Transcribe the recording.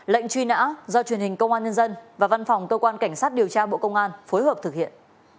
lệnh truy nã do truyền hình công an nhân dân và văn phòng cơ quan cảnh sát điều tra bộ công an phối hợp thực hiện